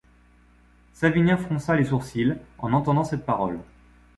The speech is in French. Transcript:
Savinien fronça les sourcils en entendant cette parole.